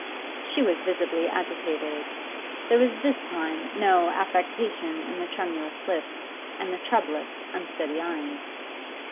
She was visibly agitated. There was this time no affectation in the tremulous lips and the troublous, unsteady eyes.